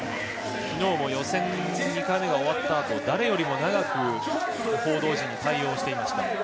昨日も予選２回目が終わったあと誰よりも長く報道陣に対応していました。